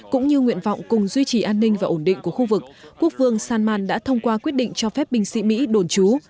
cũng như nguyện vọng cùng duy trì an ninh và ổn định của khu vực quốc vương salman đã thông qua quyết định cho phép binh sĩ mỹ đồn trú